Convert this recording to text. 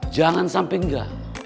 jangan sampai enggak